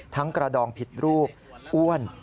กระดองผิดรูปอ้วน